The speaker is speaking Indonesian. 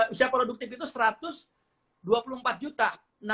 usia produktif itu satu ratus dua puluh empat juta